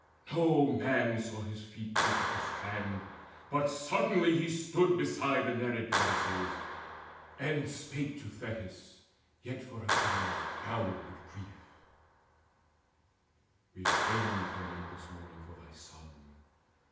No man saw his feet Pace up the strand, but suddenly he stood Beside the Nereid Goddesses, and spake To Thetis, yet for Achilles bowed with grief: "Refrain from endless mourning for thy son.